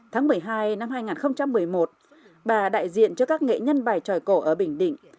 tháng một mươi hai năm hai nghìn một mươi một bà đại diện cho các nghệ nhân bài tròi cổ ở bình định